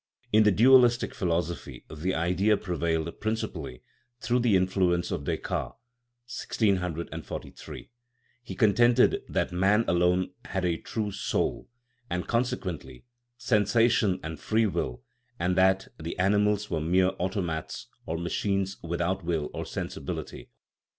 In the dualistic philosophy the idea prevailed principally through the influence of Des cartes (1643) ; he contended that man alone had a true " soul," and, consequently, sensation and free will, and that the animals were mere automata, or machines, without will or sensibility.